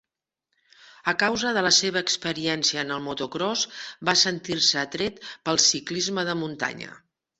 A causa de la seva experiència en el motocròs, va sentir-se atret pel ciclisme de muntanya.